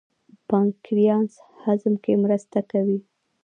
پانکریاس هضم کې مرسته کوي.